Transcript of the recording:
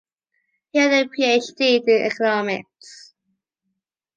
He earned a PhD in economics.